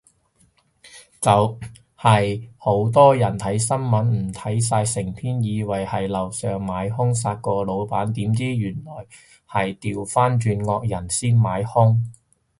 就係好多人睇新聞唔睇晒成篇，以為係樓上買兇殺個老闆，點知原來係掉返轉惡人先買兇